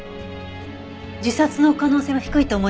自殺の可能性は低いと思いますがどうして？